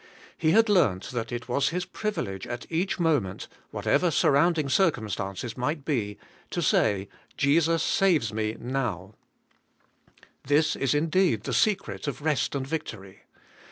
He had learnt that it was his privilege at each moment, whatever surrounding circumstances might be, to say, 'Jesus saves me 7iotv.^ This is in deed the secret of rest and victory.